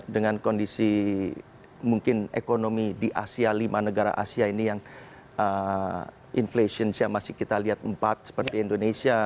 dengan kondisi mungkin ekonomi di asia lima negara asia ini yang inflationsnya masih kita lihat empat seperti indonesia